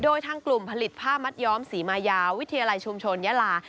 โดยทางกลุ่มผลิตผ้ามัดย้อมศรีมายาวิทยาลัยชุมชนยาลา